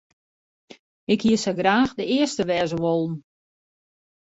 Ik hie sa graach de earste wêze wollen.